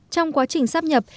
trong quá trình sắp nhập